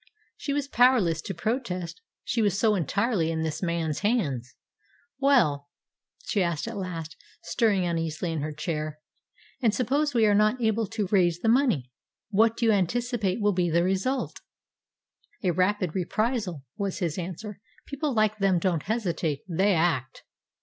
She was powerless to protest, she was so entirely in this man's hands. "Well," she asked at last, stirring uneasily in her chair, "and suppose we are not able to raise the money, what do you anticipate will be the result?" "A rapid reprisal," was his answer. "People like them don't hesitate they act."